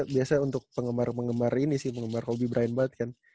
biasa untuk penggemar pengemar ini sih penggemar hobi berani banget kan